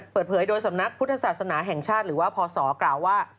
เปิดเผยโดยสำนักพุทธศาสนาแห่งชาติหรือว่าพศกล่าวว่า